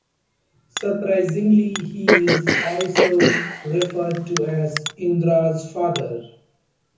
Surprisingly he is also referred to as Indra's father.